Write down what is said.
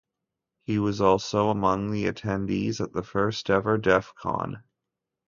He was also among the attendees at the first ever Def Con.